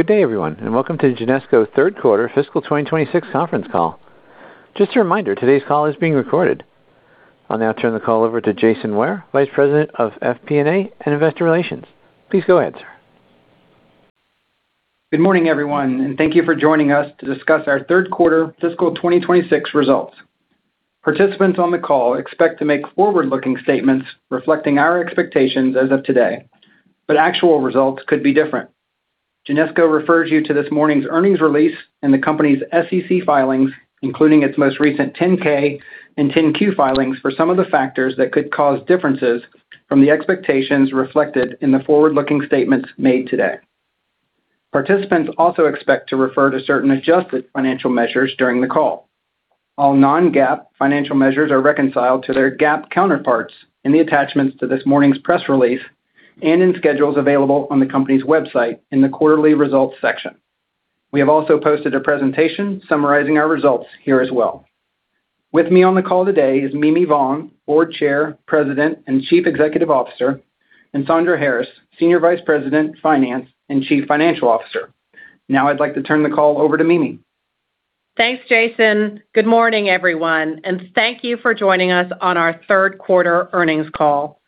Good day, everyone, and welcome to the Genesco Third Quarter Fiscal 2026 conference call. Just a reminder, today's call is being recorded. I'll now turn the call over to Jason Ware, Vice President of FP&A and Investor Relations. Please go ahead, sir. Good morning, everyone, and thank you for joining us to discuss our Third Quarter Fiscal 2026 results. Participants on the call expect to make forward-looking statements reflecting our expectations as of today, but actual results could be different. Genesco refers you to this morning's earnings release and the company's SEC filings, including its most recent 10-K and 10-Q filings for some of the factors that could cause differences from the expectations reflected in the forward-looking statements made today. Participants also expect to refer to certain adjusted financial measures during the call. All non-GAAP financial measures are reconciled to their GAAP counterparts in the attachments to this morning's press release and in schedules available on the company's website in the quarterly results section. We have also posted a presentation summarizing our results here as well. With me on the call today is Mimi Vaughn, Board Chair, President, and Chief Executive Officer, and Sandra Harris, Senior Vice President, Finance, and Chief Financial Officer. Now I'd like to turn the call over to Mimi. Thanks, Jason. Good morning, everyone, and thank you for joining us on our third quarter earnings call.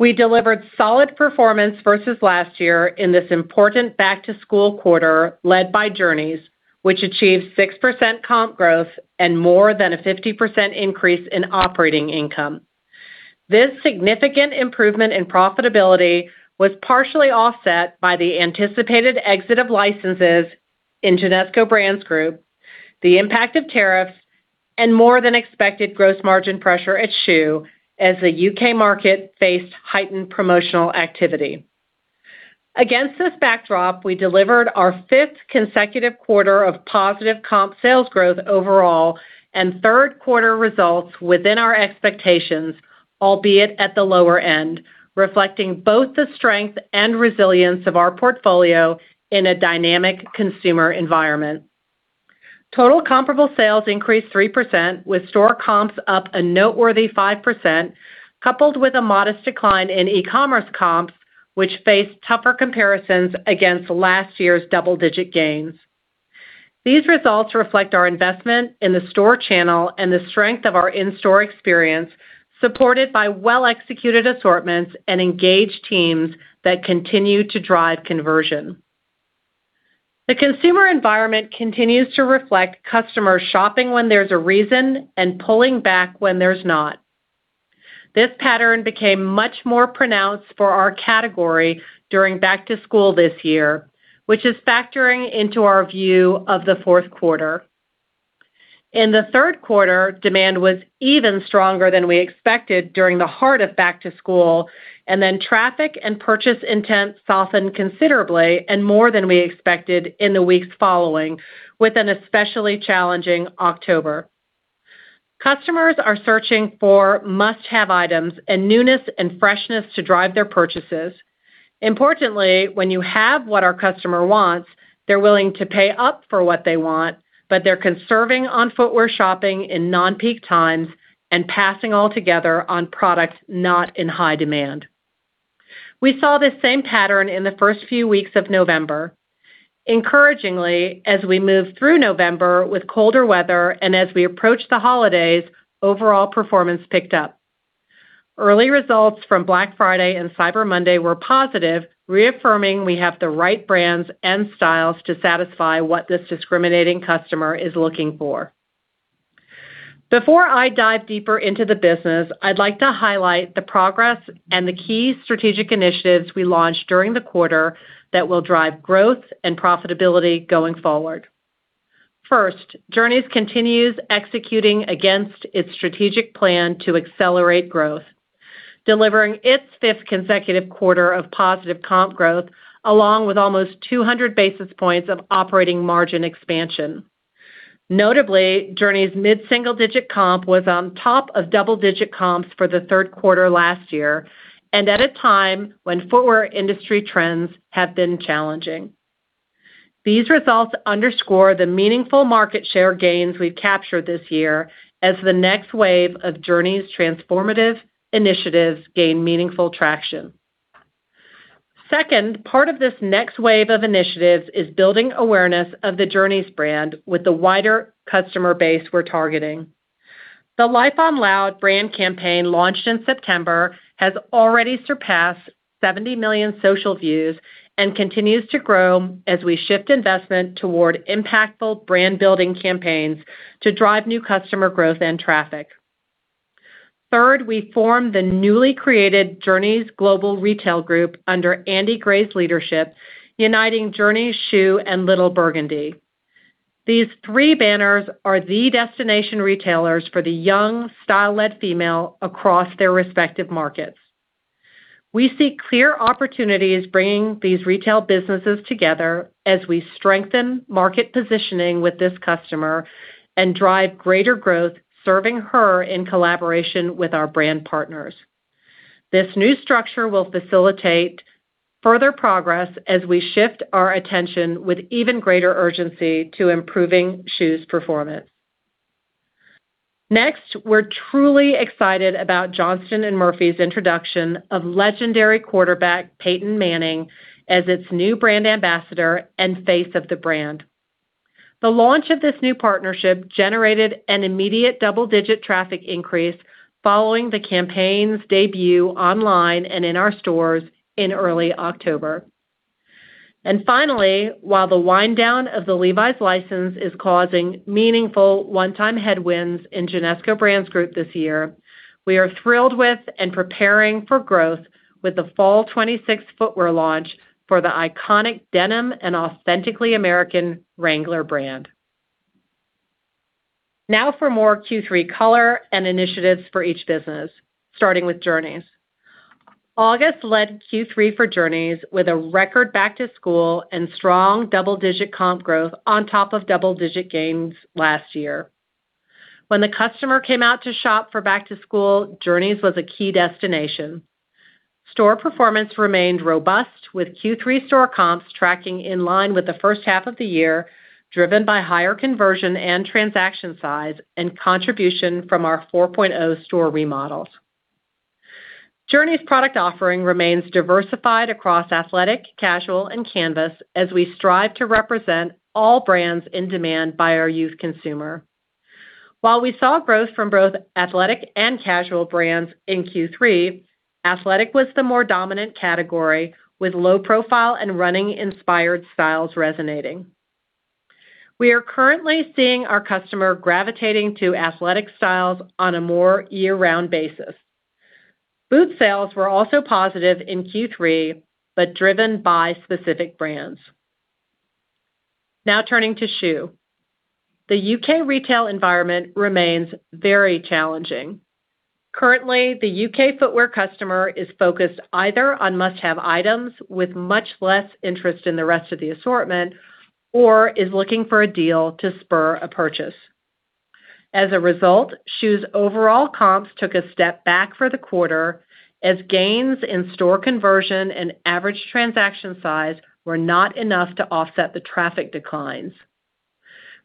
We delivered solid performance versus last year in this important back-to-school quarter led by Journeys, which achieved 6% comp growth and more than a 50% increase in operating income. This significant improvement in profitability was partially offset by the anticipated exit of licenses in Genesco Brands Group, the impact of tariffs, and more than expected gross margin pressure at Schuh as the U.K. market faced heightened promotional activity. Against this backdrop, we delivered our fifth consecutive quarter of positive comp sales growth overall and third-quarter results within our expectations, albeit at the lower end, reflecting both the strength and resilience of our portfolio in a dynamic consumer environment. Total comparable sales increased 3%, with store comps up a noteworthy 5%, coupled with a modest decline in e-commerce comps, which faced tougher comparisons against last year's double-digit gains. These results reflect our investment in the store channel and the strength of our in-store experience, supported by well-executed assortments and engaged teams that continue to drive conversion. The consumer environment continues to reflect customers shopping when there's a reason and pulling back when there's not. This pattern became much more pronounced for our category during back-to-school this year, which is factoring into our view of the fourth quarter. In the third quarter, demand was even stronger than we expected during the heart of back-to-school, and then traffic and purchase intent softened considerably and more than we expected in the weeks following, with an especially challenging October. Customers are searching for must-have items and newness and freshness to drive their purchases. Importantly, when you have what our customer wants, they're willing to pay up for what they want, but they're conserving on footwear shopping in non-peak times and passing altogether on products not in high demand. We saw this same pattern in the first few weeks of November. Encouragingly, as we moved through November with colder weather and as we approached the holidays, overall performance picked up. Early results from Black Friday and Cyber Monday were positive, reaffirming we have the right brands and styles to satisfy what this discriminating customer is looking for. Before I dive deeper into the business, I'd like to highlight the progress and the key strategic initiatives we launched during the quarter that will drive growth and profitability going forward. First, Journeys continues executing against its strategic plan to accelerate growth, delivering its fifth consecutive quarter of positive comp growth, along with almost 200 basis points of operating margin expansion. Notably, Journeys' mid-single-digit comp was on top of double-digit comps for the third quarter last year, and at a time when footwear industry trends have been challenging. These results underscore the meaningful market share gains we've captured this year as the next wave of Journeys' transformative initiatives gain meaningful traction. Second, part of this next wave of initiatives is building awareness of the Journeys brand with the wider customer base we're targeting. The Life on Loud brand campaign launched in September has already surpassed 70 million social views and continues to grow as we shift investment toward impactful brand-building campaigns to drive new customer growth and traffic. Third, we formed the newly created Journeys Global Retail Group under Andy Gray's leadership, uniting Journeys, Schuh, and Little Burgundy. These three banners are the destination retailers for the young, style-led female across their respective markets. We see clear opportunities bringing these retail businesses together as we strengthen market positioning with this customer and drive greater growth, serving her in collaboration with our brand partners. This new structure will facilitate further progress as we shift our attention with even greater urgency to improving Schuh's performance. Next, we're truly excited about Johnston & Murphy's introduction of legendary quarterback Peyton Manning as its new brand ambassador and face of the brand. The launch of this new partnership generated an immediate double-digit traffic increase following the campaign's debut online and in our stores in early October. Finally, while the wind down of the Levi's license is causing meaningful one-time headwinds in Genesco Brands Group this year, we are thrilled with and preparing for growth with the Fall 2026 footwear launch for the iconic denim and authentically American Wrangler brand. Now for more Q3 color and initiatives for each business, starting with Journeys. August led Q3 for Journeys with a record back-to-school and strong double-digit comp growth on top of double-digit gains last year. When the customer came out to shop for back-to-school, Journeys was a key destination. Store performance remained robust, with Q3 store comps tracking in line with the first half of the year, driven by higher conversion and transaction size and contribution from our 4.0 store remodels. Journeys' product offering remains diversified across athletic, casual, and canvas as we strive to represent all brands in demand by our youth consumer. While we saw growth from both athletic and casual brands in Q3, athletic was the more dominant category, with low-profile and running-inspired styles resonating. We are currently seeing our customer gravitating to athletic styles on a more year-round basis. Boot sales were also positive in Q3, but driven by specific brands. Now turning to Schuh, the U.K. retail environment remains very challenging. Currently, the U.K. footwear customer is focused either on must-have items with much less interest in the rest of the assortment or is looking for a deal to spur a purchase. As a result, Schuh's overall comps took a step back for the quarter as gains in store conversion and average transaction size were not enough to offset the traffic declines.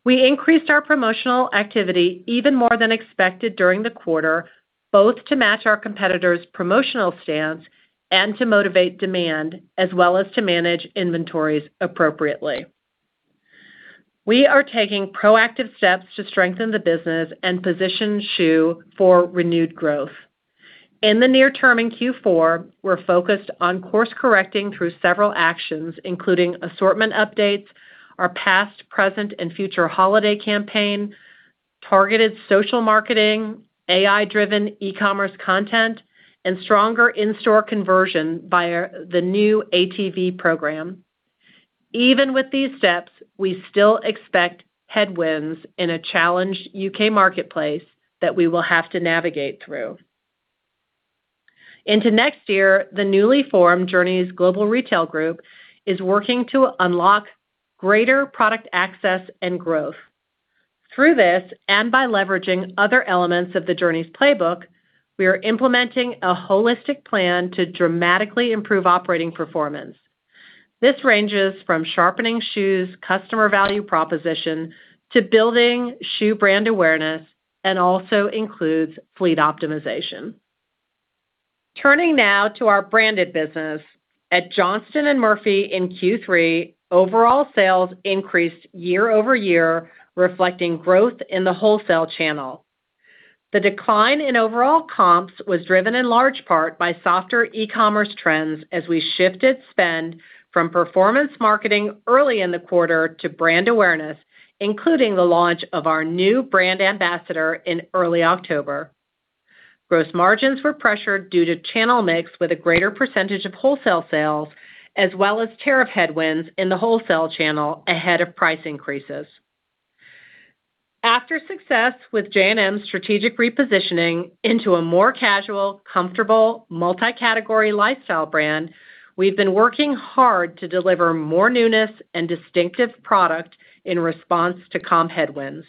We increased our promotional activity even more than expected during the quarter, both to match our competitors' promotional stance and to motivate demand, as well as to manage inventories appropriately. We are taking proactive steps to strengthen the business and position Schuh for renewed growth. In the near term in Q4, we're focused on course-correcting through several actions, including assortment updates, our Past, Present, and Future holiday campaign, targeted social marketing, AI-driven e-commerce content, and stronger in-store conversion via the new ATV program. Even with these steps, we still expect headwinds in a challenged U.K. marketplace that we will have to navigate through. Into next year, the newly formed Journeys Global Retail Group is working to unlock greater product access and growth. Through this and by leveraging other elements of the Journeys playbook, we are implementing a holistic plan to dramatically improve operating performance. This ranges from sharpening Schuh's customer value proposition to building Schuh brand awareness and also includes fleet optimization. Turning now to our branded business, at Johnston & Murphy in Q3, overall sales increased year over year, reflecting growth in the wholesale channel. The decline in overall comps was driven in large part by softer e-commerce trends as we shifted spend from performance marketing early in the quarter to brand awareness, including the launch of our new brand ambassador in early October. Gross margins were pressured due to channel mix with a greater percentage of wholesale sales, as well as tariff headwinds in the wholesale channel ahead of price increases. After success with J&M's strategic repositioning into a more casual, comfortable, multi-category lifestyle brand, we've been working hard to deliver more newness and distinctive product in response to comp headwinds.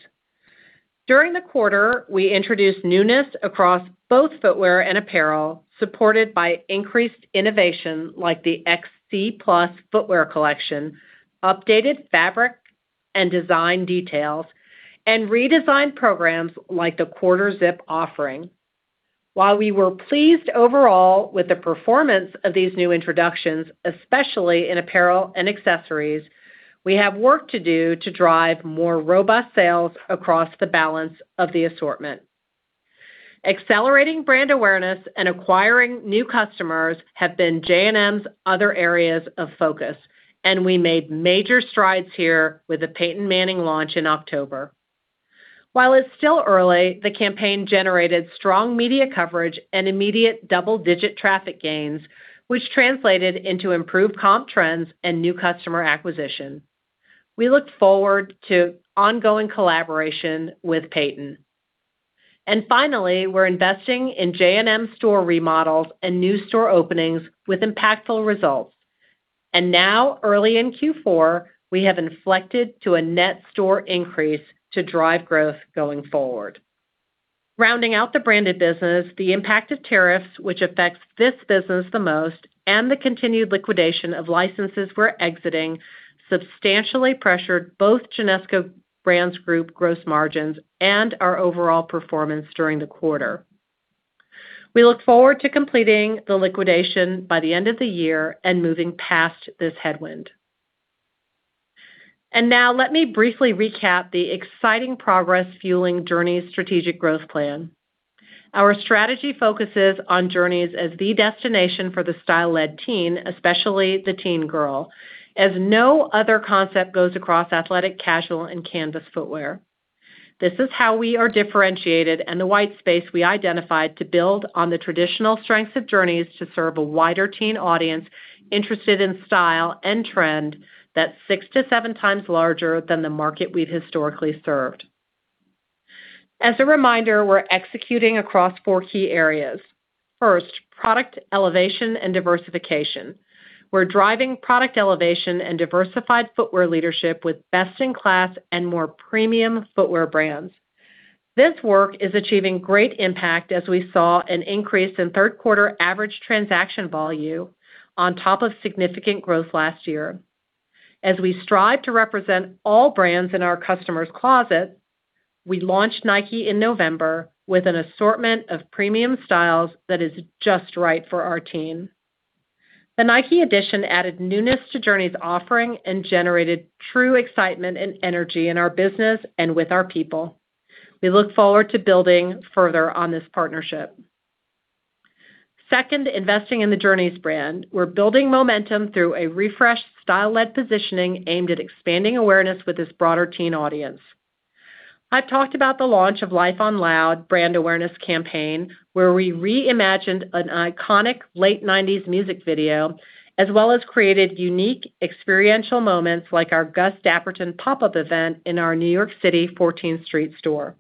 During the quarter, we introduced newness across both footwear and apparel, supported by increased innovation like the XC Plus footwear collection, updated fabric and design details, and redesigned programs like the quarter zip offering. While we were pleased overall with the performance of these new introductions, especially in apparel and accessories, we have work to do to drive more robust sales across the balance of the assortment. Accelerating brand awareness and acquiring new customers have been J&M's other areas of focus, and we made major strides here with the Peyton Manning launch in October. While it's still early, the campaign generated strong media coverage and immediate double-digit traffic gains, which translated into improved comp trends and new customer acquisition. We look forward to ongoing collaboration with Peyton. And finally, we're investing in J&M store remodels and new store openings with impactful results. And now, early in Q4, we have inflected to a net store increase to drive growth going forward. Rounding out the branded business, the impact of tariffs, which affects this business the most, and the continued liquidation of licenses we're exiting substantially pressured both Genesco Brands Group gross margins and our overall performance during the quarter. We look forward to completing the liquidation by the end of the year and moving past this headwind. And now, let me briefly recap the exciting progress fueling Journeys' strategic growth plan. Our strategy focuses on Journeys as the destination for the style-led teen, especially the teen girl, as no other concept goes across athletic, casual, and canvas footwear. This is how we are differentiated and the white space we identified to build on the traditional strengths of Journeys to serve a wider teen audience interested in style and trend that's six to seven times larger than the market we've historically served. As a reminder, we're executing across four key areas. First, product elevation and diversification. We're driving product elevation and diversified footwear leadership with best-in-class and more premium footwear brands. This work is achieving great impact as we saw an increase in third-quarter average transaction volume on top of significant growth last year. As we strive to represent all brands in our customer's closet, we launched Nike in November with an assortment of premium styles that is just right for our team. The Nike edition added newness to Journeys' offering and generated true excitement and energy in our business and with our people. We look forward to building further on this partnership. Second, investing in the Journeys brand. We're building momentum through a refreshed style-led positioning aimed at expanding awareness with this broader teen audience. I've talked about the launch of Life on Loud brand awareness campaign, where we reimagined an iconic late 1990s music video as well as created unique experiential moments like our Gus Dapperton pop-up event in our New York City 14th Street store.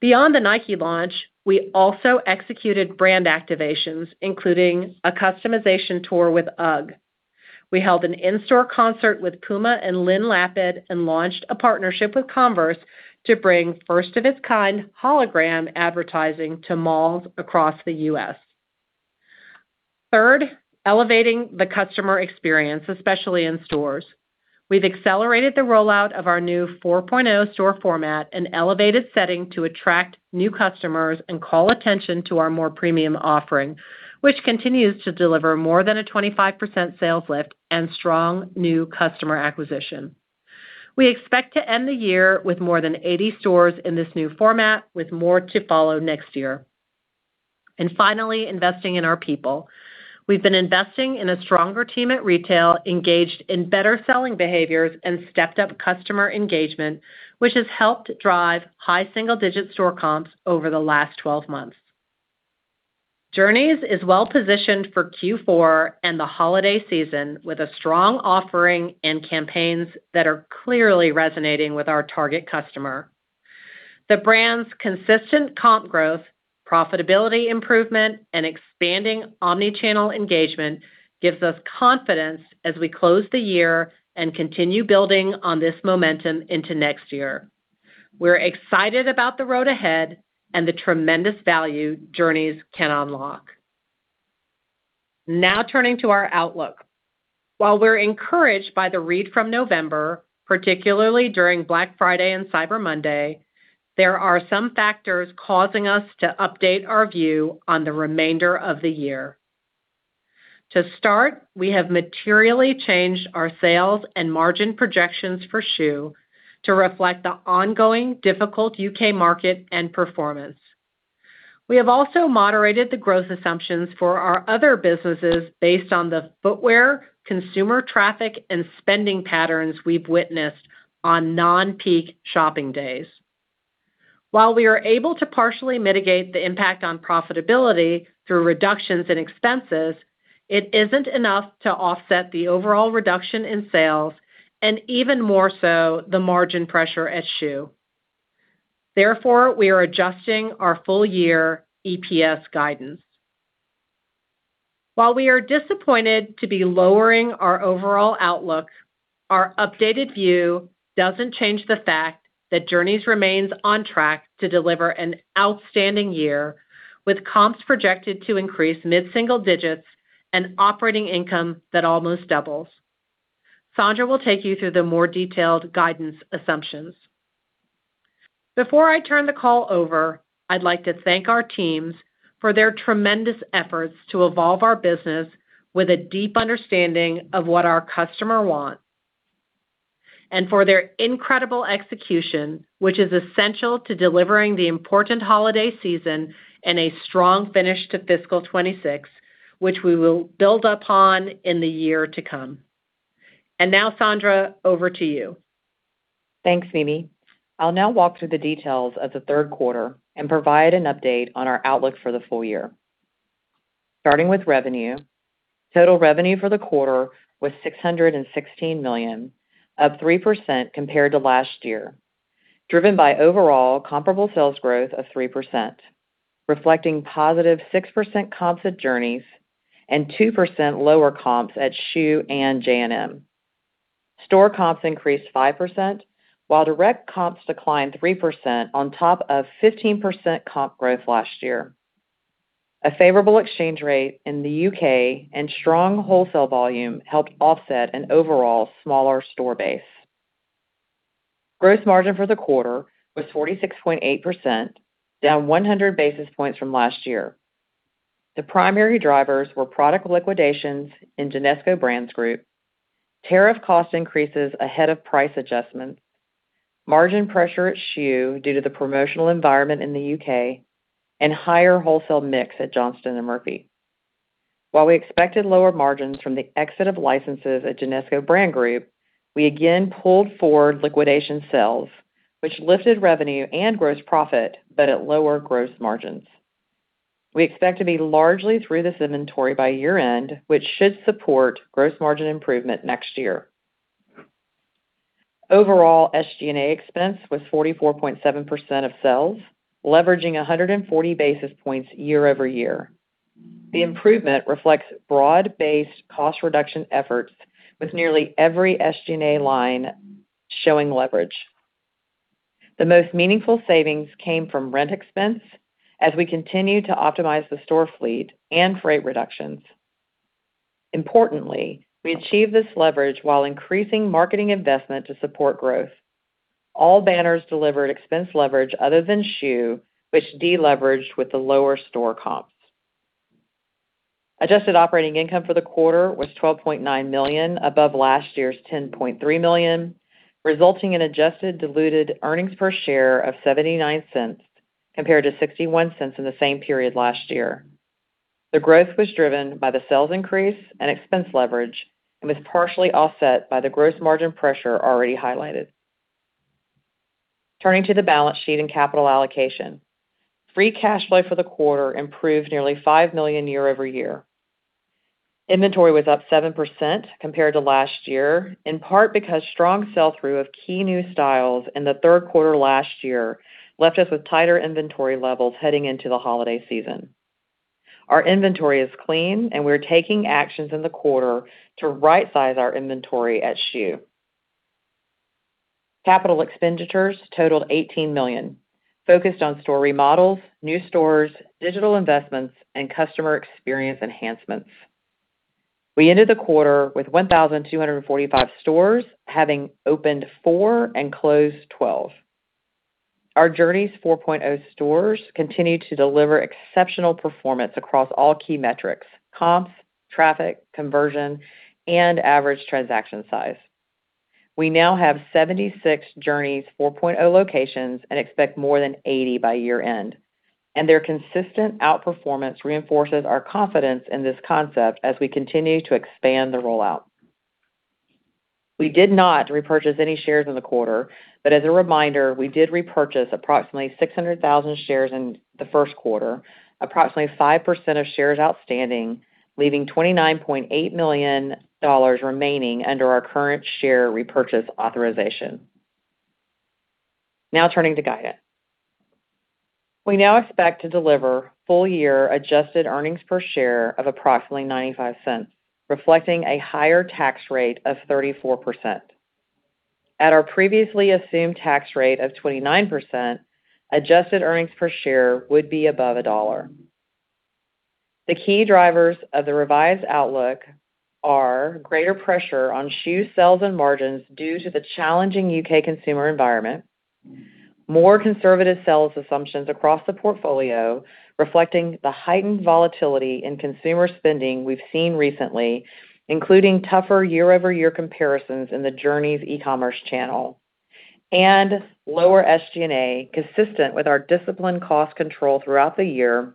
Beyond the Nike launch, we also executed brand activations, including a customization tour with UGG. We held an in-store concert with Puma and Lyn Lapid and launched a partnership with Converse to bring first-of-its-kind hologram advertising to malls across the U.S. Third, elevating the customer experience, especially in stores. We've accelerated the rollout of our new 4.0 store format and elevated setting to attract new customers and call attention to our more premium offering, which continues to deliver more than a 25% sales lift and strong new customer acquisition. We expect to end the year with more than 80 stores in this new format, with more to follow next year. And finally, investing in our people. We've been investing in a stronger team at retail, engaged in better selling behaviors, and stepped-up customer engagement, which has helped drive high single-digit store comps over the last 12 months. Journeys is well-positioned for Q4 and the holiday season with a strong offering and campaigns that are clearly resonating with our target customer. The brand's consistent comp growth, profitability improvement, and expanding omnichannel engagement gives us confidence as we close the year and continue building on this momentum into next year. We're excited about the road ahead and the tremendous value Journeys can unlock. Now turning to our outlook. While we're encouraged by the read from November, particularly during Black Friday and Cyber Monday, there are some factors causing us to update our view on the remainder of the year. To start, we have materially changed our sales and margin projections for Schuh to reflect the ongoing difficult U.K. market and performance. We have also moderated the growth assumptions for our other businesses based on the footwear consumer traffic and spending patterns we've witnessed on non-peak shopping days. While we are able to partially mitigate the impact on profitability through reductions in expenses, it isn't enough to offset the overall reduction in sales and even more so the margin pressure at Schuh. Therefore, we are adjusting our full-year EPS guidance. While we are disappointed to be lowering our overall outlook, our updated view doesn't change the fact that Journeys remains on track to deliver an outstanding year with comps projected to increase mid-single digits and operating income that almost doubles. Sandra will take you through the more detailed guidance assumptions. Before I turn the call over, I'd like to thank our teams for their tremendous efforts to evolve our business with a deep understanding of what our customer wants and for their incredible execution, which is essential to delivering the important holiday season and a strong finish to fiscal 2026, which we will build upon in the year to come, and now, Sandra, over to you. Thanks, Mimi. I'll now walk through the details of the third quarter and provide an update on our outlook for the full year. Starting with revenue, total revenue for the quarter was $616 million, up 3% compared to last year, driven by overall comparable sales growth of 3%, reflecting positive 6% comps at Journeys and 2% lower comps at Schuh and J&M. Store comps increased 5%, while direct comps declined 3% on top of 15% comp growth last year. A favorable exchange rate in the U.K. and strong wholesale volume helped offset an overall smaller store base. Gross margin for the quarter was 46.8%, down 100 basis points from last year. The primary drivers were product liquidations in Genesco Brands Group, tariff cost increases ahead of price adjustments, margin pressure at Schuh due to the promotional environment in the U.K., and higher wholesale mix at Johnston and Murphy. While we expected lower margins from the exit of licenses at Genesco Brands Group, we again pulled forward liquidation sales, which lifted revenue and gross profit, but at lower gross margins. We expect to be largely through this inventory by year-end, which should support gross margin improvement next year. Overall, SG&A expense was 44.7% of sales, leveraging 140 basis points year over year. The improvement reflects broad-based cost reduction efforts, with nearly every SG&A line showing leverage. The most meaningful savings came from rent expense as we continue to optimize the store fleet and freight reductions. Importantly, we achieved this leverage while increasing marketing investment to support growth. All banners delivered expense leverage other than Schuh, which de-leveraged with the lower store comps. Adjusted operating income for the quarter was $12.9 million, above last year's $10.3 million, resulting in adjusted diluted earnings per share of $0.79 compared to $0.61 in the same period last year. The growth was driven by the sales increase and expense leverage and was partially offset by the gross margin pressure already highlighted. Turning to the balance sheet and capital allocation, free cash flow for the quarter improved nearly $5 million year over year. Inventory was up 7% compared to last year, in part because strong sell-through of key new styles in the third quarter last year left us with tighter inventory levels heading into the holiday season. Our inventory is clean, and we're taking actions in the quarter to right-size our inventory at Schuh. Capital expenditures totaled $18 million, focused on store remodels, new stores, digital investments, and customer experience enhancements. We ended the quarter with 1,245 stores having opened four and closed 12. Our Journeys 4.0 stores continue to deliver exceptional performance across all key metrics: comps, traffic, conversion, and average transaction size. We now have 76 Journeys 4.0 locations and expect more than 80 by year-end. And their consistent outperformance reinforces our confidence in this concept as we continue to expand the rollout. We did not repurchase any shares in the quarter, but as a reminder, we did repurchase approximately 600,000 shares in the first quarter, approximately 5% of shares outstanding, leaving $29.8 million remaining under our current share repurchase authorization. Now turning to guidance. We now expect to deliver full-year adjusted earnings per share of approximately $0.95, reflecting a higher tax rate of 34%. At our previously assumed tax rate of 29%, adjusted earnings per share would be above $1. The key drivers of the revised outlook are greater pressure on Schuh sales and margins due to the challenging U.K. consumer environment, more conservative sales assumptions across the portfolio, reflecting the heightened volatility in consumer spending we've seen recently, including tougher year-over-year comparisons in the Journeys e-commerce channel, and lower SG&A consistent with our disciplined cost control throughout the year,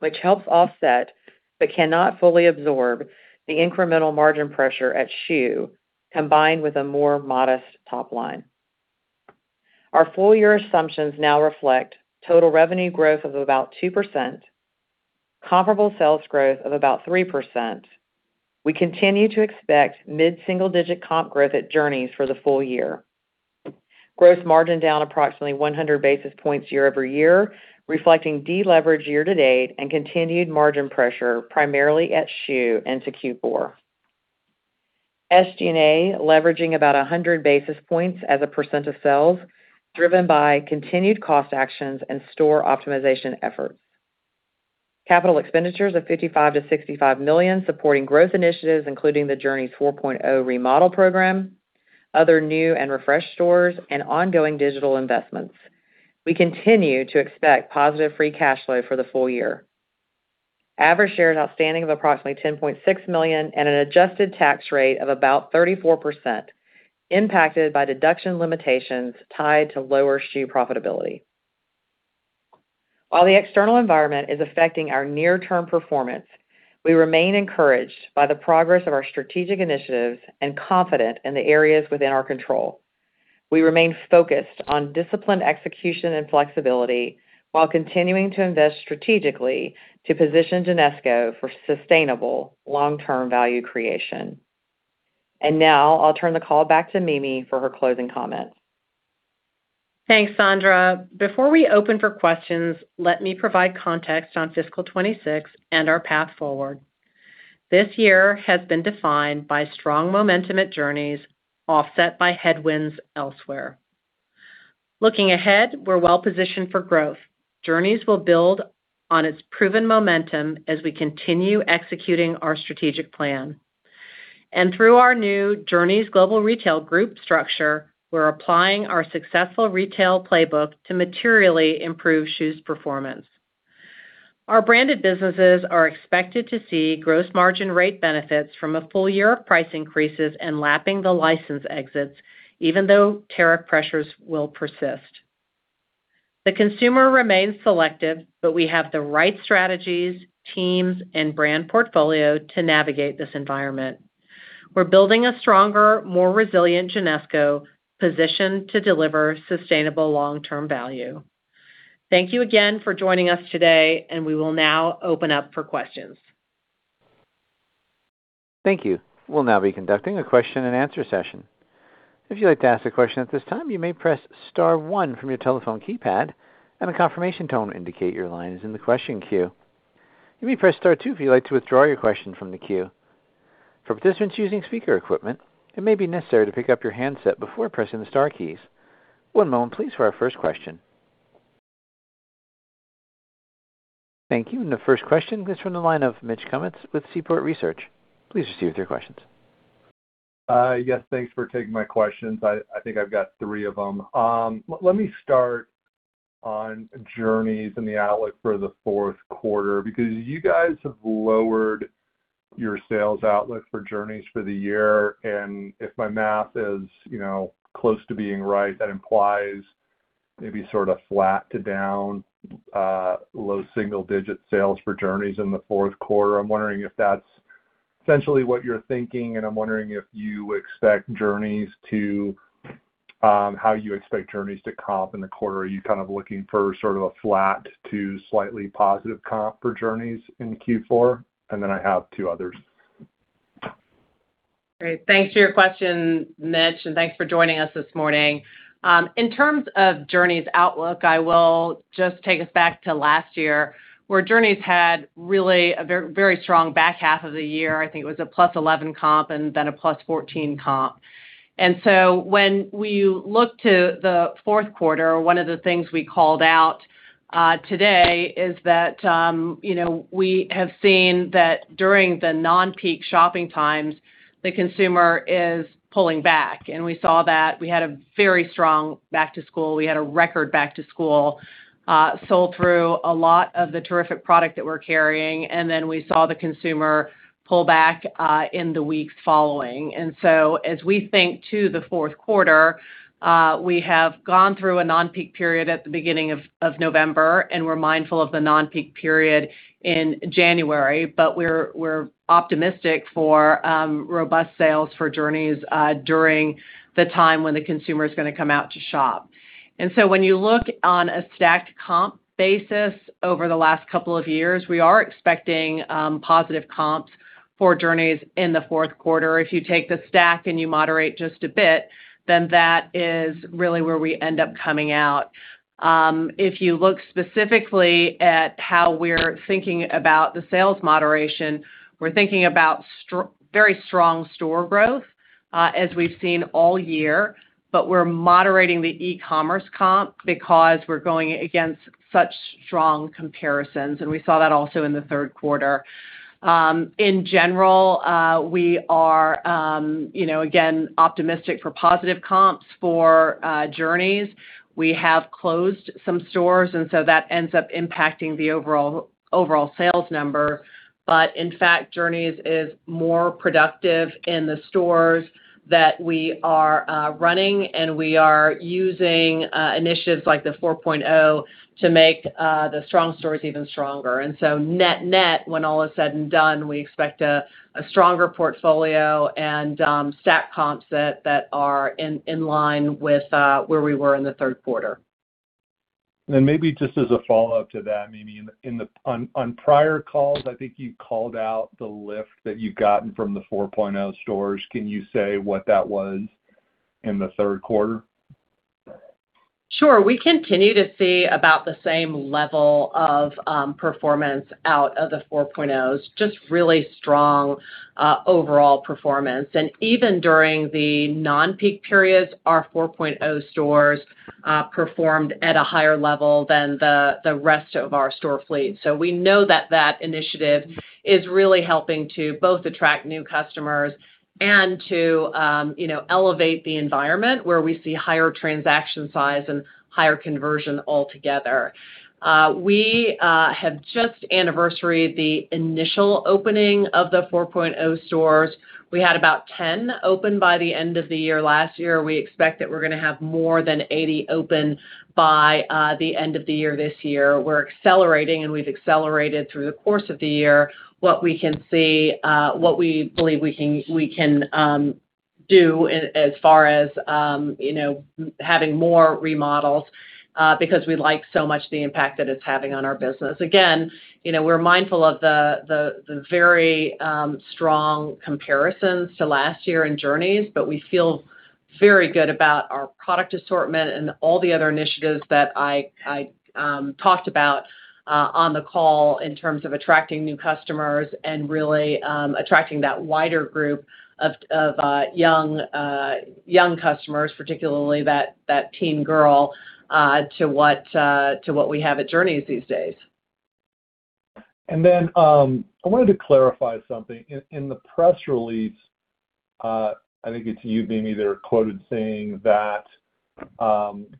which helps offset but cannot fully absorb the incremental margin pressure at Schuh combined with a more modest top line. Our full-year assumptions now reflect total revenue growth of about 2%, comparable sales growth of about 3%. We continue to expect mid-single-digit comp growth at Journeys for the full year. Gross margin down approximately 100 basis points year over year, reflecting de-leverage year-to-date and continued margin pressure primarily at Schuh into Q4. SG&A leveraging about 100 basis points as a % of sales, driven by continued cost actions and store optimization efforts. Capital expenditures of $55 million-$65 million supporting growth initiatives, including the Journeys 4.0 remodel program, other new and refreshed stores, and ongoing digital investments. We continue to expect positive free cash flow for the full year. Average shares outstanding of approximately 10.6 million and an adjusted tax rate of about 34% impacted by deduction limitations tied to lower Schuh profitability. While the external environment is affecting our near-term performance, we remain encouraged by the progress of our strategic initiatives and confident in the areas within our control. We remain focused on disciplined execution and flexibility while continuing to invest strategically to position Genesco for sustainable long-term value creation. And now I'll turn the call back to Mimi for her closing comments. Thanks, Sandra. Before we open for questions, let me provide context on fiscal 2026 and our path forward. This year has been defined by strong momentum at Journeys, offset by headwinds elsewhere. Looking ahead, we're well-positioned for growth. Journeys will build on its proven momentum as we continue executing our strategic plan. And through our new Journeys Global Retail Group structure, we're applying our successful retail playbook to materially improve Schuh's performance. Our branded businesses are expected to see gross margin rate benefits from a full year of price increases and lapping the license exits, even though tariff pressures will persist. The consumer remains selective, but we have the right strategies, teams, and brand portfolio to navigate this environment. We're building a stronger, more resilient Genesco positioned to deliver sustainable long-term value. Thank you again for joining us today, and we will now open up for questions. Thank you. We'll now be conducting a question-and-answer session. If you'd like to ask a question at this time, you may press Star 1 from your telephone keypad, and a confirmation tone will indicate your line is in the question queue. You may press Star 2 if you'd like to withdraw your question from the queue. For participants using speaker equipment, it may be necessary to pick up your handset before pressing the Star keys. One moment, please, for our first question. Thank you, and the first question is from the line of Mitch Kummetz with Seaport Research. Please proceed with your questions. Yes, thanks for taking my questions. I think I've got three of them. Let me start on Journeys and the outlook for the fourth quarter because you guys have lowered your sales outlook for Journeys for the year. If my math is close to being right, that implies maybe sort of flat to down, low single-digit sales for Journeys in the fourth quarter. I'm wondering if that's essentially what you're thinking, and I'm wondering if you expect Journeys to how you expect Journeys to comp in the quarter. Are you kind of looking for sort of a flat to slightly positive comp for Journeys in Q4? And then I have two others. Great. Thanks for your question, Mitch, and thanks for joining us this morning. In terms of Journeys' outlook, I will just take us back to last year, where Journeys had really a very strong back half of the year. I think it was a plus 11 comp and then a plus 14 comp. And so when we look to the fourth quarter, one of the things we called out today is that we have seen that during the non-peak shopping times, the consumer is pulling back. And we saw that we had a very strong back-to-school. We had a record back-to-school, sold through a lot of the terrific product that we're carrying. And then we saw the consumer pull back in the weeks following. And so as we think to the fourth quarter, we have gone through a non-peak period at the beginning of November, and we're mindful of the non-peak period in January, but we're optimistic for robust sales for Journeys during the time when the consumer is going to come out to shop. And so when you look on a stacked comp basis over the last couple of years, we are expecting positive comps for Journeys in the fourth quarter. If you take the stack and you moderate just a bit, then that is really where we end up coming out. If you look specifically at how we're thinking about the sales moderation, we're thinking about very strong store growth as we've seen all year, but we're moderating the e-commerce comp because we're going against such strong comparisons. And we saw that also in the third quarter. In general, we are, again, optimistic for positive comps for Journeys. We have closed some stores, and so that ends up impacting the overall sales number. But in fact, Journeys is more productive in the stores that we are running, and we are using initiatives like the 4.0 to make the strong stores even stronger. And so net-net, when all is said and done, we expect a stronger portfolio and stacked comps that are in line with where we were in the third quarter. And then maybe just as a follow-up to that, Mimi, on prior calls, I think you called out the lift that you've gotten from the 4.0 stores. Can you say what that was in the third quarter? Sure. We continue to see about the same level of performance out of the 4.0s, just really strong overall performance. And even during the non-peak periods, our 4.0 stores performed at a higher level than the rest of our store fleet. So we know that that initiative is really helping to both attract new customers and to elevate the environment where we see higher transaction size and higher conversion altogether. We have just celebrated the anniversary of the initial opening of the 4.0 stores. We had about 10 open by the end of the year last year. We expect that we're going to have more than 80 open by the end of the year this year. We're accelerating, and we've accelerated through the course of the year what we can see, what we believe we can do as far as having more remodels because we like so much the impact that it's having on our business. Again, we're mindful of the very strong comparisons to last year in Journeys, but we feel very good about our product assortment and all the other initiatives that I talked about on the call in terms of attracting new customers and really attracting that wider group of young customers, particularly that teen girl, to what we have at Journeys these days, And then I wanted to clarify something. In the press release, I think it's you, Mimi, that are quoted saying that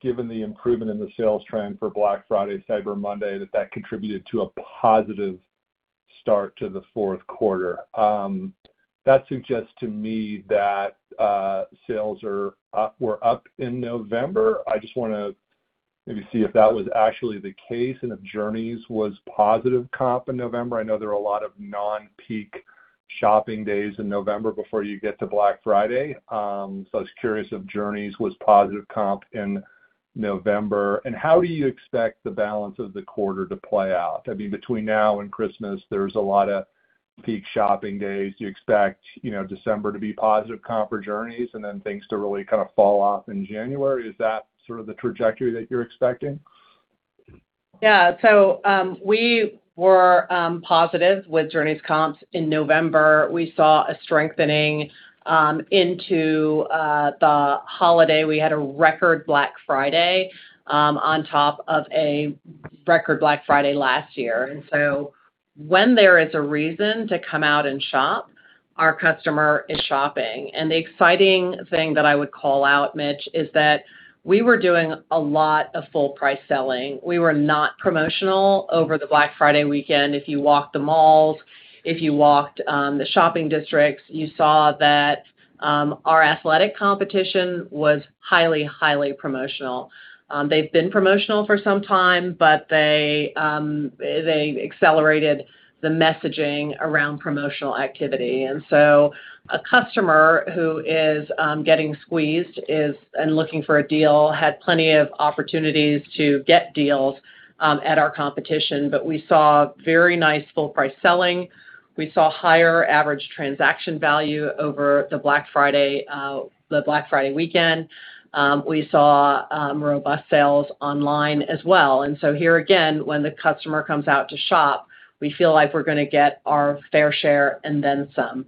given the improvement in the sales trend for Black Friday, Cyber Monday, that that contributed to a positive start to the fourth quarter. That suggests to me that sales were up in November. I just want to maybe see if that was actually the case and if Journeys was positive comp in November. I know there are a lot of non-peak shopping days in November before you get to Black Friday. So I was curious if Journeys was positive comp in November. And how do you expect the balance of the quarter to play out? I mean, between now and Christmas, there's a lot of peak shopping days. Do you expect December to be positive comp for Journeys and then things to really kind of fall off in January? Is that sort of the trajectory that you're expecting? Yeah. So we were positive with Journeys' comps in November. We saw a strengthening into the holiday. We had a record Black Friday on top of a record Black Friday last year. And so when there is a reason to come out and shop, our customer is shopping. And the exciting thing that I would call out, Mitch, is that we were doing a lot of full-price selling. We were not promotional over the Black Friday weekend. If you walked the malls, if you walked the shopping districts, you saw that our athletic competition was highly, highly promotional. They've been promotional for some time, but they accelerated the messaging around promotional activity. And so a customer who is getting squeezed and looking for a deal had plenty of opportunities to get deals at our competition. But we saw very nice full-price selling. We saw higher average transaction value over the Black Friday weekend. We saw robust sales online as well. And so here again, when the customer comes out to shop, we feel like we're going to get our fair share and then some.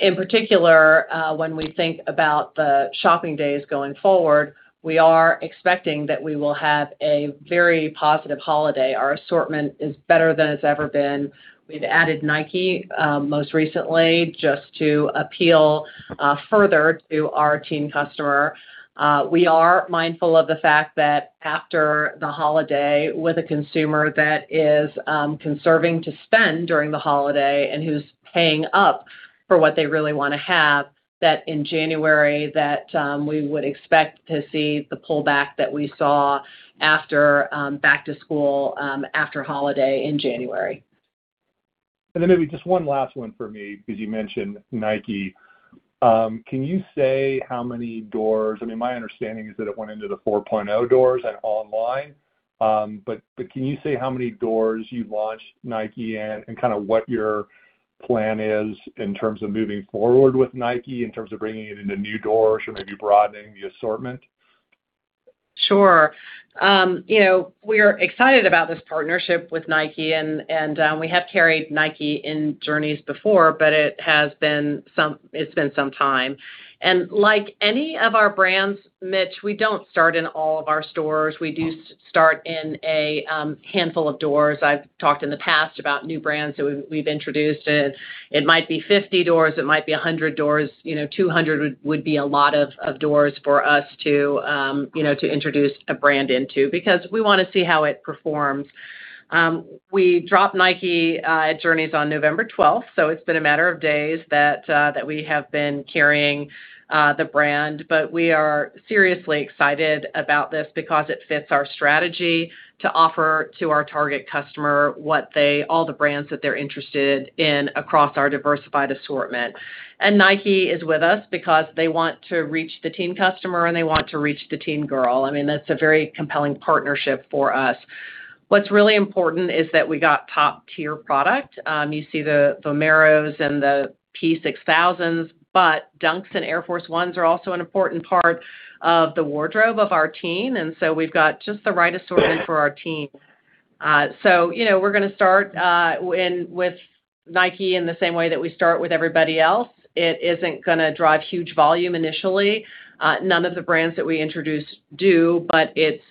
In particular, when we think about the shopping days going forward, we are expecting that we will have a very positive holiday. Our assortment is better than it's ever been. We've added Nike most recently just to appeal further to our teen customer. We are mindful of the fact that after the holiday, with a consumer that is conserving to spend during the holiday and who's paying up for what they really want to have, that in January, we would expect to see the pullback that we saw after back-to-school, after holiday in January. And then maybe just one last one for me because you mentioned Nike. Can you say how many doors? I mean, my understanding is that it went into the 4.0 doors and online. But can you say how many doors you launched Nike in and kind of what your plan is in terms of moving forward with Nike, in terms of bringing it into new doors or maybe broadening the assortment? Sure. We're excited about this partnership with Nike. And we have carried Nike in Journeys before, but it has been some time. And like any of our brands, Mitch, we don't start in all of our stores. We do start in a handful of doors. I've talked in the past about new brands that we've introduced. It might be 50 doors. It might be 100 doors. 200 would be a lot of doors for us to introduce a brand into because we want to see how it performs. We dropped Nike at Journeys on November 12th, so it's been a matter of days that we have been carrying the brand, but we are seriously excited about this because it fits our strategy to offer to our target customer all the brands that they're interested in across our diversified assortment, and Nike is with us because they want to reach the teen customer, and they want to reach the teen girl. I mean, that's a very compelling partnership for us. What's really important is that we got top-tier product. You see the Vomeros and the P-6000s, but Dunks and Air Force Ones are also an important part of the wardrobe of our teen, and so we've got just the right assortment for our teen. So we're going to start with Nike in the same way that we start with everybody else. It isn't going to drive huge volume initially. None of the brands that we introduced do, but it's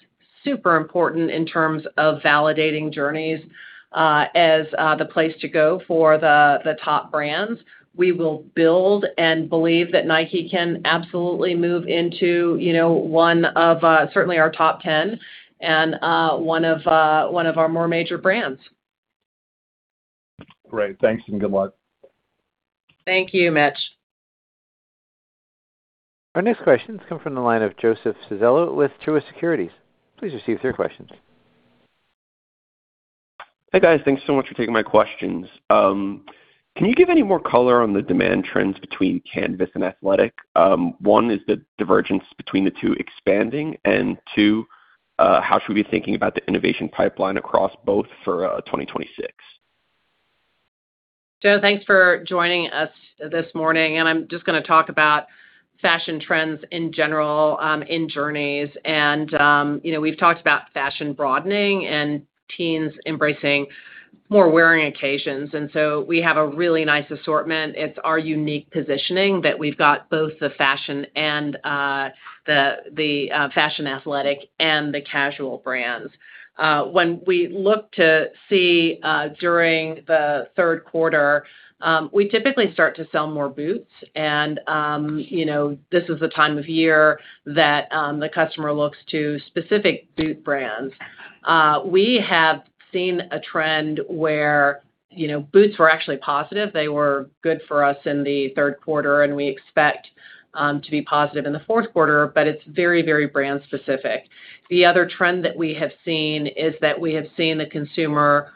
super important in terms of validating Journeys as the place to go for the top brands. We will build and believe that Nike can absolutely move into one of certainly our top 10 and one of our more major brands. Great. Thanks and good luck. Thank you, Mitch. Our next question has come from the line of Joseph Civello with Truist Securities. Please proceed with your questions. Hey, guys. Thanks so much for taking my questions. Can you give any more color on the demand trends between canvas and Athletic? One, is the divergence between the two expanding? And two, how should we be thinking about the innovation pipeline across both for 2026? Joe, thanks for joining us this morning. I'm just going to talk about fashion trends in general in Journeys. We've talked about fashion broadening and teens embracing more wearing occasions. So we have a really nice assortment. It's our unique positioning that we've got both the fashion and the fashion athletic and the casual brands. When we look to see during the third quarter, we typically start to sell more boots. This is the time of year that the customer looks to specific boot brands. We have seen a trend where boots were actually positive. They were good for us in the third quarter, and we expect to be positive in the fourth quarter, but it's very, very brand-specific. The other trend that we have seen is that we have seen the consumer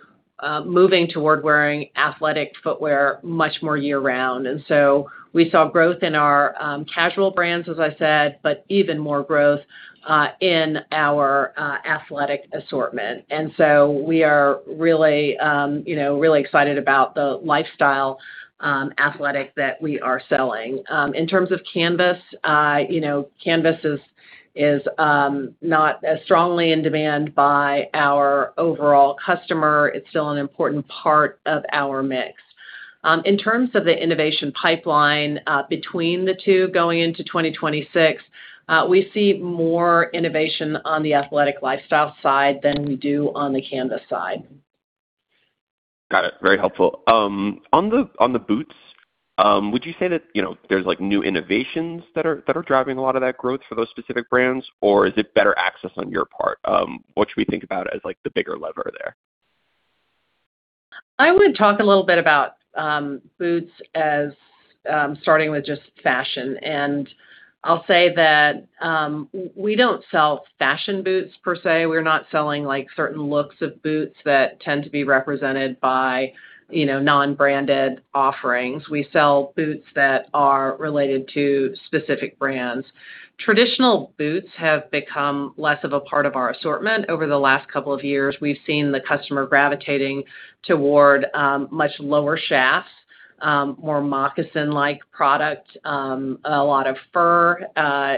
moving toward wearing athletic footwear much more year-round. And so we saw growth in our casual brands, as I said, but even more growth in our athletic assortment. And so we are really excited about the lifestyle athletic that we are selling. In terms of canvas, canvas is not as strongly in demand by our overall customer. It's still an important part of our mix. In terms of the innovation pipeline between the two going into 2026, we see more innovation on the athletic lifestyle side than we do on the canvas side. Got it. Very helpful. On the boots, would you say that there's new innovations that are driving a lot of that growth for those specific brands, or is it better access on your part? What should we think about as the bigger lever there? I would talk a little bit about boots as starting with just fashion. I'll say that we don't sell fashion boots per se. We're not selling certain looks of boots that tend to be represented by non-branded offerings. We sell boots that are related to specific brands. Traditional boots have become less of a part of our assortment over the last couple of years. We've seen the customer gravitating toward much lower shafts, more moccasin-like product, a lot of fur.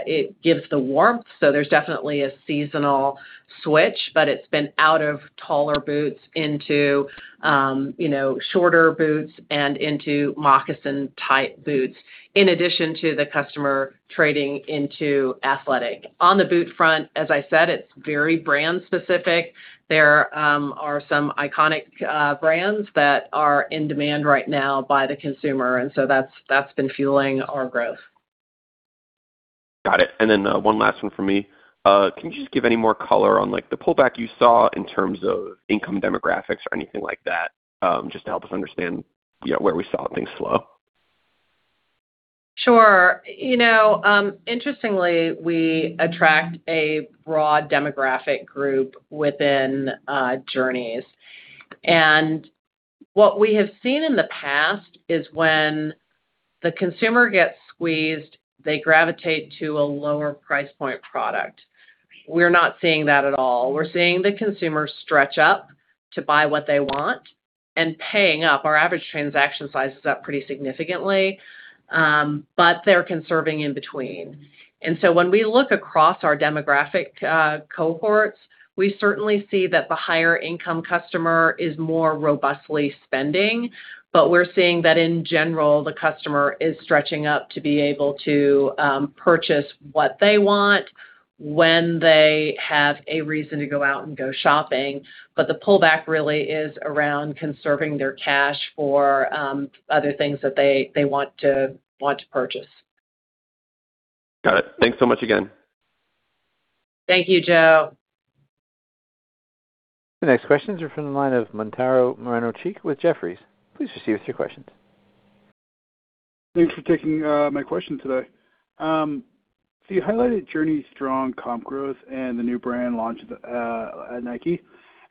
It gives the warmth. So there's definitely a seasonal switch, but it's been out of taller boots into shorter boots and into moccasin-type boots, in addition to the customer trading into athletic. On the boot front, as I said, it's very brand-specific. There are some iconic brands that are in demand right now by the consumer. So that's been fueling our growth. Got it. Then one last one for me. Can you just give any more color on the pullback you saw in terms of income demographics or anything like that, just to help us understand where we saw things slow? Sure. Interestingly, we attract a broad demographic group within Journeys. And what we have seen in the past is when the consumer gets squeezed, they gravitate to a lower price point product. We're not seeing that at all. We're seeing the consumer stretch up to buy what they want and paying up. Our average transaction size is up pretty significantly, but they're conserving in between. And so when we look across our demographic cohorts, we certainly see that the higher-income customer is more robustly spending. But we're seeing that, in general, the customer is stretching up to be able to purchase what they want when they have a reason to go out and go shopping. But the pullback really is around conserving their cash for other things that they want to purchase. Got it. Thanks so much again. Thank you, Joe. The next questions are from the line of Mantero Moreno-Cheek with Jefferies. Please proceed with your questions. Thanks for taking my question today. So you highlighted Journeys' strong comp growth and the new brand launch at Nike.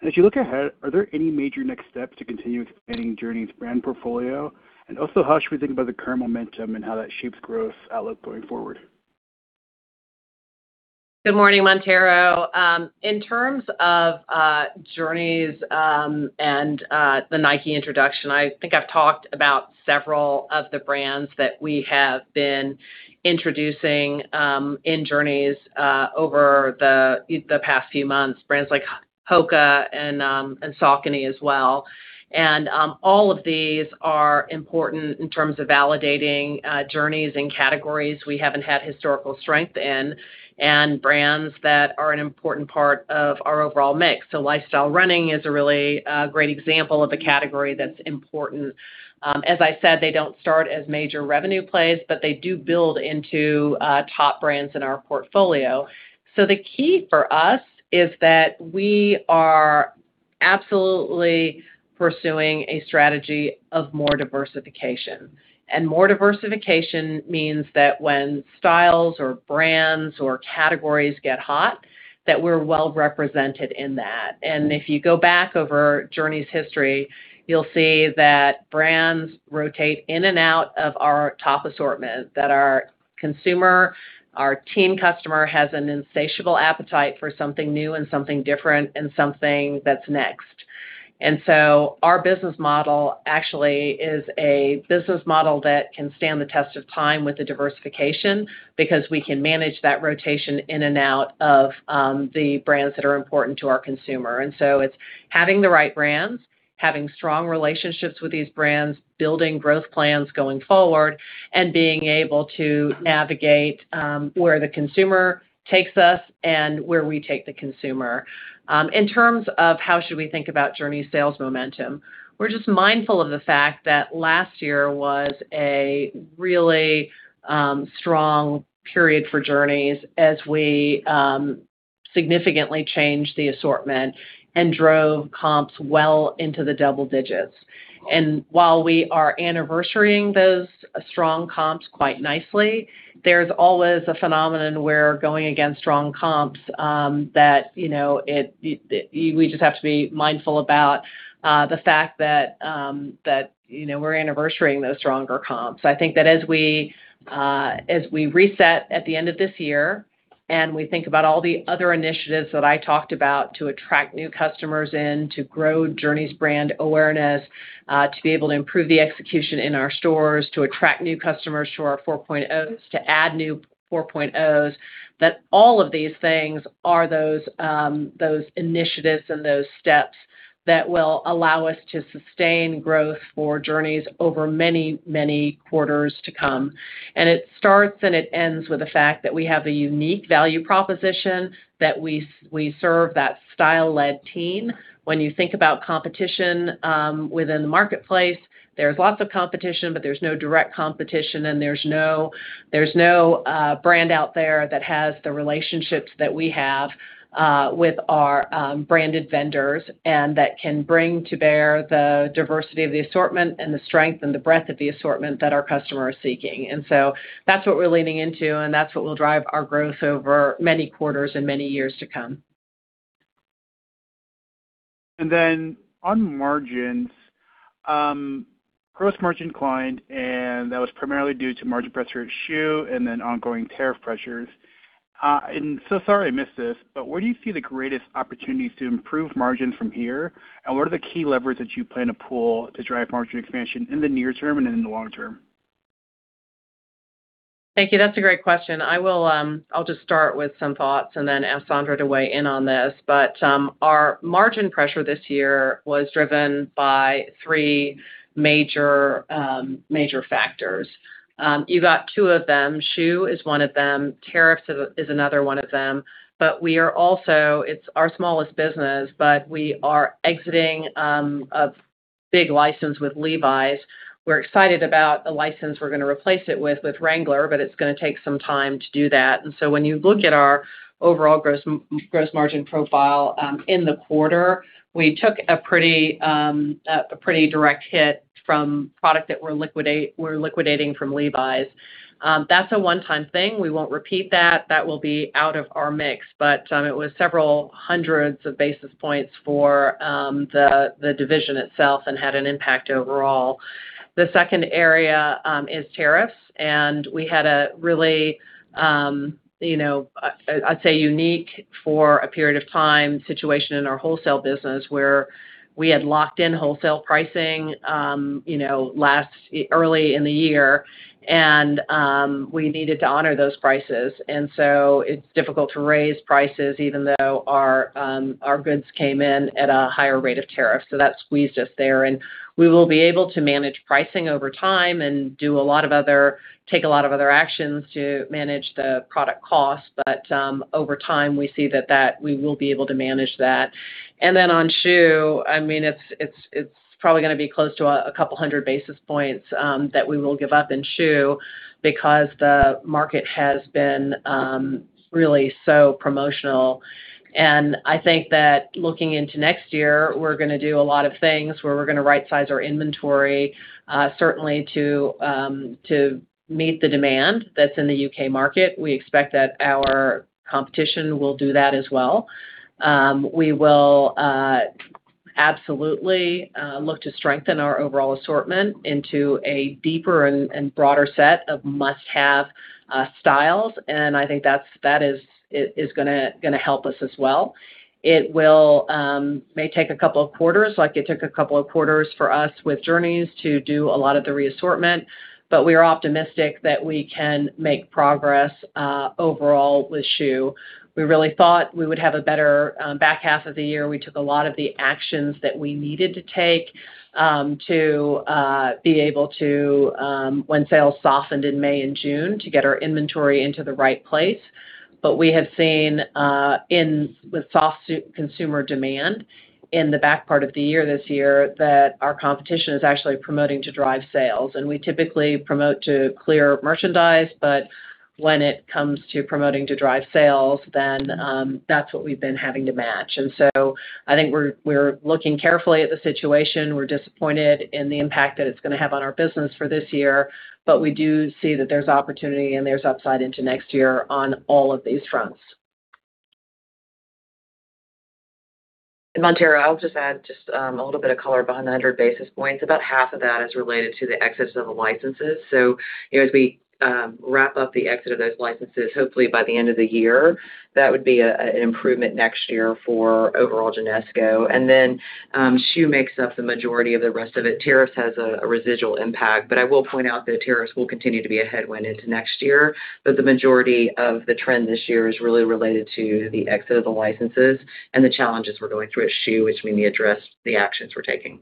And as you look ahead, are there any major next steps to continue expanding Journeys' brand portfolio? And also, how should we think about the current momentum and how that shapes growth outlook going forward? Good morning, Mantero. In terms of Journeys and the Nike introduction, I think I've talked about several of the brands that we have been introducing in Journeys over the past few months, brands like Hoka and Saucony as well. And all of these are important in terms of validating Journeys and categories we haven't had historical strength in and brands that are an important part of our overall mix. So lifestyle running is a really great example of a category that's important. As I said, they don't start as major revenue plays, but they do build into top brands in our portfolio. So the key for us is that we are absolutely pursuing a strategy of more diversification. And more diversification means that when styles or brands or categories get hot, that we're well-represented in that. And if you go back over Journeys' history, you'll see that brands rotate in and out of our top assortment that our consumer, our teen customer, has an insatiable appetite for something new and something different and something that's next. Our business model actually is a business model that can stand the test of time with the diversification because we can manage that rotation in and out of the brands that are important to our consumer. So it's having the right brands, having strong relationships with these brands, building growth plans going forward, and being able to navigate where the consumer takes us and where we take the consumer. In terms of how should we think about Journeys sales momentum, we're just mindful of the fact that last year was a really strong period for Journeys as we significantly changed the assortment and drove comps well into the double digits. And while we are anniversarying those strong comps quite nicely, there's always a phenomenon where going against strong comps that we just have to be mindful about the fact that we're anniversarying those stronger comps. I think that as we reset at the end of this year and we think about all the other initiatives that I talked about to attract new customers in, to grow Journeys brand awareness, to be able to improve the execution in our stores, to attract new customers to our 4.0s, to add new 4.0s, that all of these things are those initiatives and those steps that will allow us to sustain growth for Journeys over many, many quarters to come, and it starts and it ends with the fact that we have a unique value proposition that we serve that style-led teen. When you think about competition within the marketplace, there's lots of competition, but there's no direct competition, and there's no brand out there that has the relationships that we have with our branded vendors and that can bring to bear the diversity of the assortment and the strength and the breadth of the assortment that our customer is seeking. And so that's what we're leaning into, and that's what will drive our growth over many quarters and many years to come. And then on margins, gross margin declined, and that was primarily due to margin pressure at Schuh and then ongoing tariff pressures. And so sorry I missed this, but where do you see the greatest opportunities to improve margins from here, and what are the key levers that you plan to pull to drive margin expansion in the near term and in the long term? Thank you. That's a great question. I'll just start with some thoughts and then ask Sandra to weigh in on this. But our margin pressure this year was driven by three major factors. You got two of them. Schuh is one of them. Tariffs is another one of them. But we are also. It's our smallest business, but we are exiting a big license with Levi's. We're excited about a license we're going to replace it with, with Wrangler, but it's going to take some time to do that. And so when you look at our overall gross margin profile in the quarter, we took a pretty direct hit from product that we're liquidating from Levi's. That's a one-time thing. We won't repeat that. That will be out of our mix. But it was several hundreds of basis points for the division itself and had an impact overall. The second area is tariffs. And we had a really, I'd say, unique for a period of time situation in our wholesale business where we had locked in wholesale pricing early in the year, and we needed to honor those prices. And so it's difficult to raise prices even though our goods came in at a higher rate of tariff. So that squeezed us there. And we will be able to manage pricing over time and do a lot of other actions to manage the product cost. But over time, we see that we will be able to manage that. And then on shoe, I mean, it's probably going to be close to a couple hundred basis points that we will give up in shoe because the market has been really so promotional. And I think that looking into next year, we're going to do a lot of things where we're going to right-size our inventory, certainly to meet the demand that's in the U.K. market. We expect that our competition will do that as well. We will absolutely look to strengthen our overall assortment into a deeper and broader set of must-have styles. And I think that is going to help us as well. It may take a couple of quarters, like it took a couple of quarters for us with Journeys to do a lot of the reassortment. But we are optimistic that we can make progress overall with Schuh. We really thought we would have a better back half of the year. We took a lot of the actions that we needed to take to be able to, when sales softened in May and June, to get our inventory into the right place. But we have seen with soft consumer demand in the back part of the year this year that our competition is actually promoting to drive sales. And we typically promote to clear merchandise, but when it comes to promoting to drive sales, then that's what we've been having to match. And so I think we're looking carefully at the situation. We're disappointed in the impact that it's going to have on our business for this year, but we do see that there's opportunity and there's upside into next year on all of these fronts. Mantero, I'll just add just a little bit of color behind the 100 basis points. About half of that is related to the exits of the licenses. So as we wrap up the exit of those licenses, hopefully by the end of the year, that would be an improvement next year for overall Genesco. And then Schuh makes up the majority of the rest of it. Tariffs has a residual impact. But I will point out that tariffs will continue to be a headwind into next year. But the majority of the trend this year is really related to the exit of the licenses and the challenges we're going through at Schuh, which we may address the actions we're taking.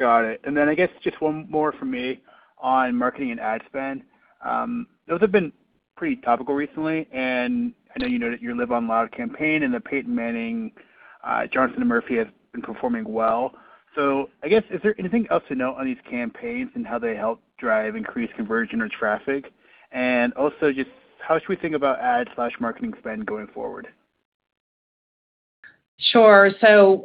Got it. And then I guess just one more from me on marketing and ad spend. Those have been pretty topical recently. And I know you know that your Life on Loud campaign and the Peyton Manning Johnston & Murphy have been performing well. So I guess, is there anything else to note on these campaigns and how they help drive increased conversion or traffic? And also just how should we think about ad/marketing spend going forward? Sure. So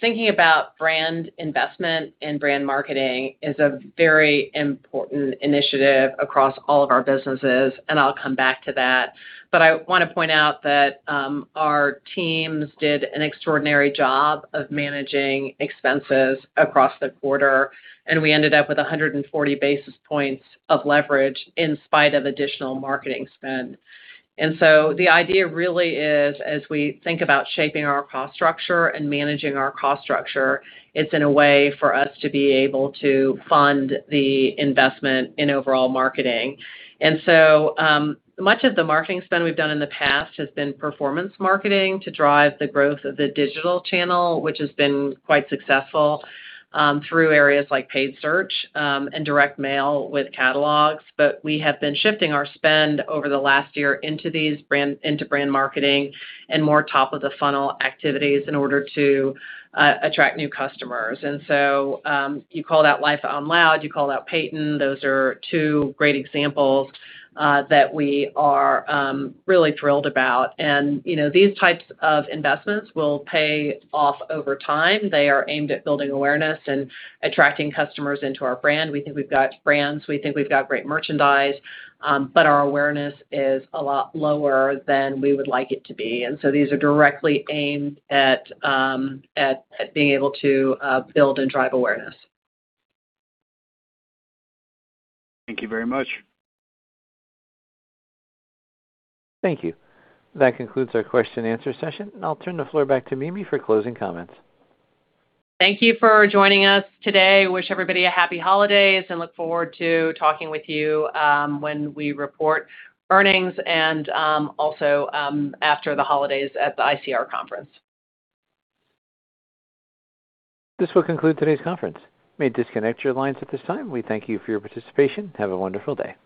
thinking about brand investment and brand marketing is a very important initiative across all of our businesses. And I'll come back to that. But I want to point out that our teams did an extraordinary job of managing expenses across the quarter. And we ended up with 140 basis points of leverage in spite of additional marketing spend. And so the idea really is, as we think about shaping our cost structure and managing our cost structure, it's in a way for us to be able to fund the investment in overall marketing. And so much of the marketing spend we've done in the past has been performance marketing to drive the growth of the digital channel, which has been quite successful through areas like paid search and direct mail with catalogs. But we have been shifting our spend over the last year into brand marketing and more top-of-the-funnel activities in order to attract new customers. And so you call that Life on Loud. You call that Peyton. Those are two great examples that we are really thrilled about. And these types of investments will pay off over time. They are aimed at building awareness and attracting customers into our brand. We think we've got brands. We think we've got great merchandise. But our awareness is a lot lower than we would like it to be. And so these are directly aimed at being able to build and drive awareness. Thank you very much. Thank you. That concludes our question-and-answer session. I'll turn the floor back to Mimi for closing comments. Thank you for joining us today. Wish everybody a happy holidays and look forward to talking with you when we report earnings and also after the holidays at the ICR conference. This will conclude today's conference. May disconnect your lines at this time. We thank you for your participation. Have a wonderful day.